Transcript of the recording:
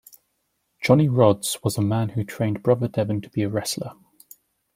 Johnny Rodz was the man who trained Brother Devon to be a wrestler.